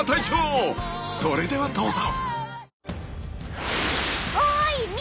［それではどうぞ］